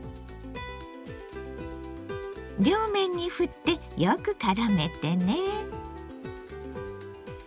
両面にふってよくからめてね。